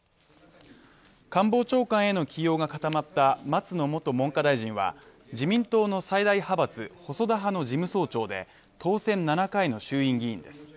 官房長官への起用が固まった松野元文科大臣は自民党の最大派閥、細田派の事務総長で当選７回の衆院議員です。